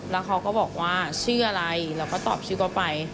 แล้วเขาก็บอกว่าชื่ออะไรเราก็ตอบชื่อเขาไป